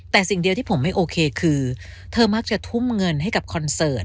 แต่สิ่งเดียวที่ผมไม่โอเคคือเธอมักจะทุ่มเงินให้กับคอนเสิร์ต